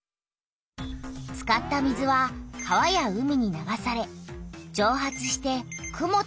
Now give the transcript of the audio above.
使った水は川や海に流されじょう発して雲となる。